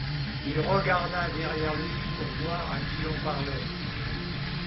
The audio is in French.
Il regarda derrière lui pour voir à qui l’on parlait.